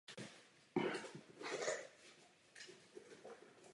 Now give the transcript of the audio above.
Profesorem se stal také na univerzitě ve Stanfordu v Kalifornii.